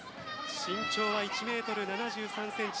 身長は１ｍ７３ｃｍ。